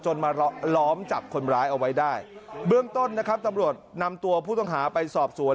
มาล้อมจับคนร้ายเอาไว้ได้เบื้องต้นนะครับตำรวจนำตัวผู้ต้องหาไปสอบสวน